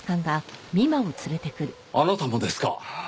あなたもですか。